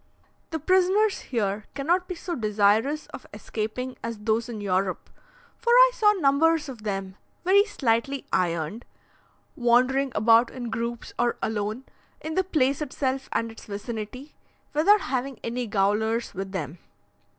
The prisoners here cannot be so desirous of escaping as those in Europe, for I saw numbers of them, very slightly ironed, wandering about in groups or alone, in the place itself and its vicinity, without having any gaolers with them.